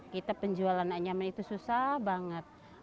kita penjualan anyaman itu susah banget